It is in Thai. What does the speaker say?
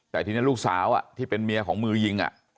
แต่ทีนี้ลูกสาวที่เป็นเมียของมือยิง